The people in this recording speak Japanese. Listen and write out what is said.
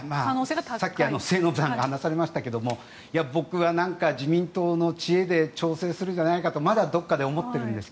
先ほど末延さんが話されましたが僕はなんか自民党の知恵で調整するんじゃないかとまだどこかで思っているんですが。